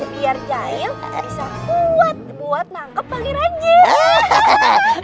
biar jail bisa kuat buat nangkep panggilan jin